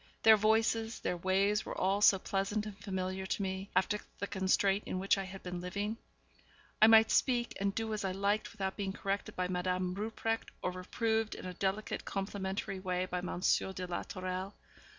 Their voices, their ways were all so pleasant and familiar to me, after the constraint in which I had been living. I might speak and do as I liked without being corrected by Madame Rupprecht, or reproved in a delicate, complimentary way by Monsieur de la Tourelle.